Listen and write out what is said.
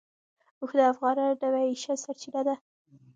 اوښ د افغانانو د معیشت سرچینه ده.